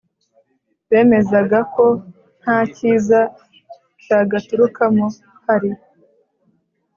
bemezaga ko nta cyiza cyagaturukamo. hari